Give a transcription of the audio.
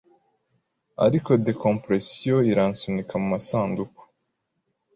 ariko decompression iransunika mumasanduku